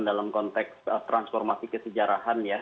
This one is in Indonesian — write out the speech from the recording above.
dalam konteks transformasi kesejarahan